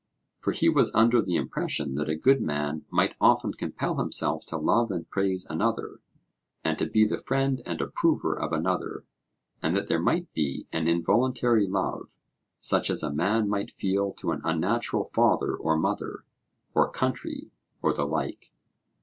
For he was under the impression that a good man might often compel himself to love and praise another, and to be the friend and approver of another; and that there might be an involuntary love, such as a man might feel to an unnatural father or mother, or country, or the like.